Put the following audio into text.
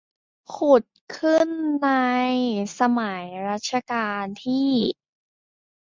ขุดขึ้นในสมัยรัชกาลที่